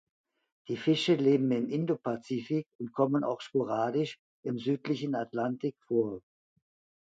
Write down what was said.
Die Fische leben im Indopazifik und kommen auch sporadisch im südlichen Atlantik vor.